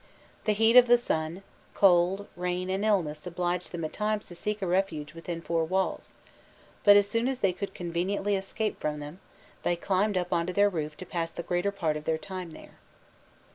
The heat of the sun, cold, rain, and illness obliged them at times to seek a refuge within four walls, but as soon as they could conveniently escape from them, they climbed up on to their roof to pass the greater part of their time there.